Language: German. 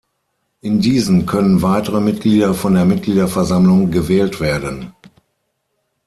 In diesen können weitere Mitglieder von der Mitgliederversammlung gewählt werden.